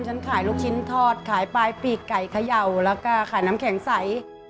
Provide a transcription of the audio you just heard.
ฉันขายลูกชิ้นทอดขายปลายปีกไก่เขย่าแล้วก็ขายน้ำแข็งใส